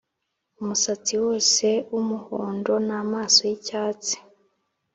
umusatsi wose wumuhondo namaso yicyatsi